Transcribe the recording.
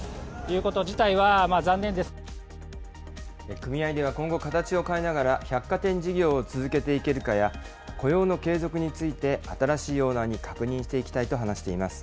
組合では今後、形を変えながら百貨店事業を続けていけるかや、雇用の継続について、新しいオーナーに確認していきたいと話しています。